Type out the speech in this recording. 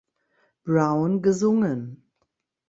Brown gesungen.